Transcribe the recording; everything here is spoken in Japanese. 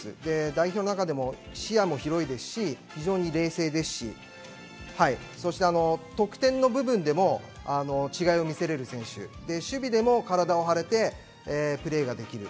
代表の中でも視野も広いですし、非常に冷静ですし、得点の部分でも違いを見せられる選手、守備でも体を張れて、プレーができる。